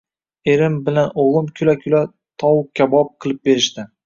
Erim bilan o`g`lim kula-kula tovuq-kabob qilib berishdi